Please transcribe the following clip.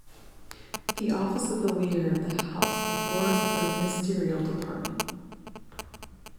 The Office of the Leader of the House of Lords is a ministerial department.